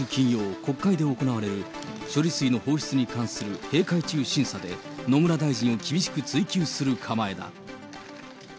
野党側は来週金曜、国会で行われる処理水の放出に関する閉会中審査で、野村大臣を厳しく追及する構えだ。